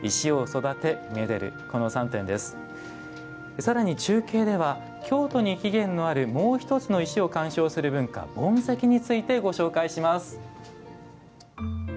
さらに中継では京都に起源のあるもうひとつの石を観賞する文化盆石についてご紹介します。